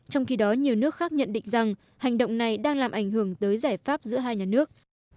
trong khi đó nhiều nước khác nhận định rằng hành động này đang làm ảnh hưởng tới giải pháp giữa hai nhà nước